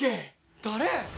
誰？